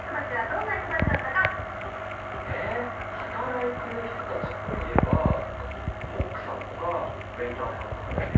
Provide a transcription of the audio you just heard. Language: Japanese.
働いてる人たちといえばコックさんとかウエイターさんとかだよね。